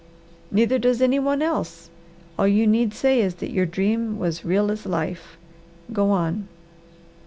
"Neither does any one else! All you need say is that your dream was real as life. Go on!"